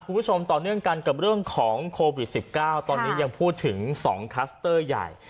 คุณผู้ชมต่อเนื่องกันกับเรื่องของโควิด๑๙ตอนนี้ยังพูดถึง๒คลัสเตอร์ใหญ่